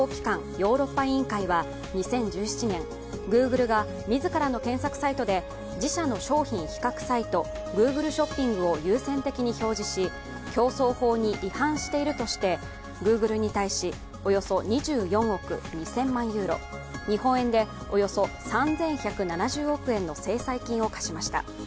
ヨーロッパ委員会は２０１７年グーグルが自らの検索サイトで自社の商品比較サイト、グーグルショッピングを優先的に表示し、競争法に違反しているとしてＧｏｏｇｌｅに対して２４億２０００万ユーロ日本円でおよそ３１７０億円の制裁金を科しました。